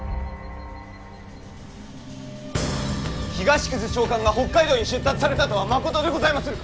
東久世長官が北海道に出立されたとはまことでございまするか？